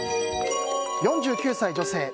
４９歳女性。